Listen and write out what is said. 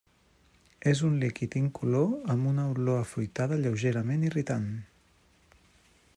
És un líquid incolor amb una olor fruitada lleugerament irritant.